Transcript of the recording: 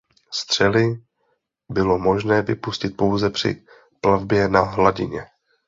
Střely bylo možné vypustit pouze při plavbě na hladině.